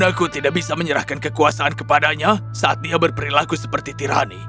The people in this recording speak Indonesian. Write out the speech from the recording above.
dan aku tidak bisa menyerahkan kekuasaan kepadanya saat dia berperilaku seperti tirani